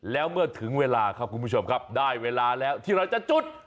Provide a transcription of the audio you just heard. แล้วเมื่อถึงเวลาครับคุณผู้ชมครับได้เวลาแล้วที่เราจะจุด